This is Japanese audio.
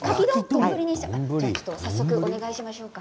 早速お願いしましょうか。